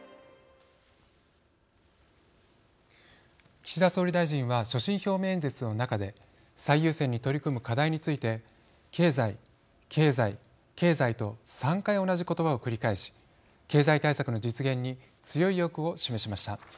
岸田総理大臣は所信表明演説の中で最優先に取り組む課題について「経済、経済、経済」と３回、同じ言葉を繰り返し経済対策の実現に強い意欲を示しました。